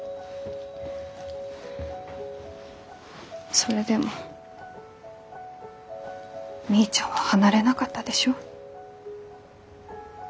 それでもみーちゃんは離れなかったでしょ？